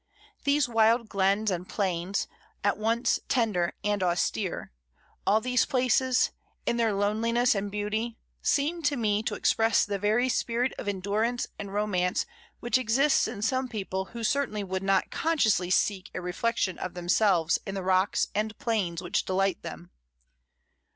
These wild glens and plains, at once tender and austere; all these places, in their loneliness and beauty, seem to me to express the very spirit of endurance and romance which exists in some people who certainly would not consciously seek a reflection of themselves in the rocks and plains which delight them.